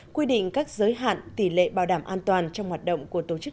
quy định các giới hạn tỷ lệ bảo đảm an toàn trong hoạt động của tổ chức